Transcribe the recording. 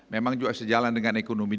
memang juga sejalan dengan ekonomi